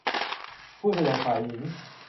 ผู้แสดงฝ่ายหญิง